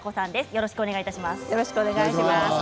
よろしくお願いします。